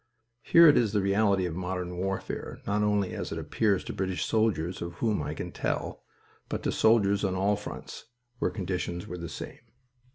Here it is the reality of modern warfare not only as it appears to British soldiers, of whom I can tell, but to soldiers on all the fronts where conditions were the same.